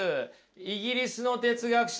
イギリスの哲学者ですよ。